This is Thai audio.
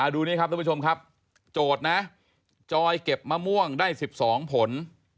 ดูนี่ครับทุกผู้ชมครับโจทย์นะจอยเก็บมะม่วงได้๑๒ผล